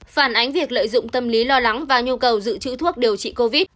phản ánh việc lợi dụng tâm lý lo lắng và nhu cầu giữ chữ thuốc điều trị covid